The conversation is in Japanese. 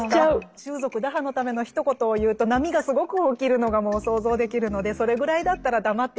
習俗打破のためのひと言を言うと波がすごく起きるのがもう想像できるのでそれぐらいだったら黙ってやれば。